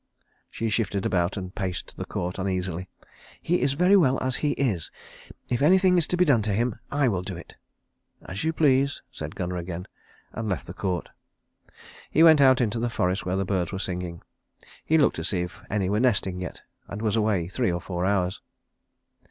She shifted about and paced the court uneasily. "He is very well as he is. If anything is to be done to him I will do it." "As you please," said Gunnar again, and left the court. He went out into the forest where the birds were singing. He looked to see if any were nesting yet, and was away three or four hours.